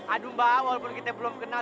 aduh mbak walaupun kita belum kenal